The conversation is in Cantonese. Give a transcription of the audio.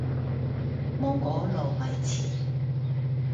芒果糯米糍